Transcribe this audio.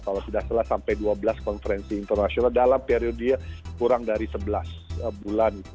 kalau tidak salah sampai dua belas konferensi internasional dalam periode kurang dari sebelas bulan